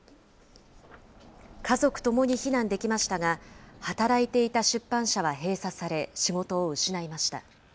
家族ともに避難できましたが、働いていた出版社は閉鎖され、仕事を失いました。